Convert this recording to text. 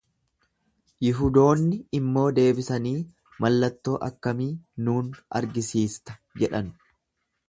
Yihudoonni immoo deebisanii, Mallattoo akkamii nuun argisiista jedhan.